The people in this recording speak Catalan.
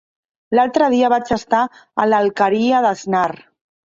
L'altre dia vaig estar a l'Alqueria d'Asnar.